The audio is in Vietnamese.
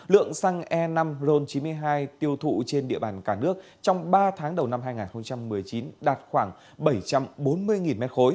lượng xăng e năm ron chín mươi hai tiêu thụ trên địa bàn cả nước trong ba tháng đầu năm hai nghìn một mươi chín đạt khoảng bảy trăm bốn mươi m ba